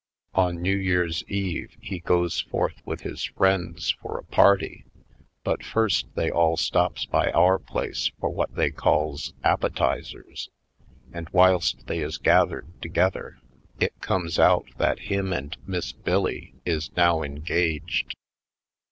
On New Year's Eve he goes forth with his friends for a party but first they all stops by our place for what they calls appetizers and whilst they is gath ered together it com.es out that him and Miss Bill Lee is now engaged.